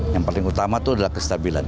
yang paling utama itu adalah kestabilan